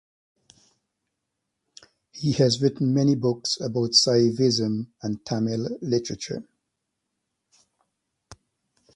He has written many books about Saivism and Tamil Literature.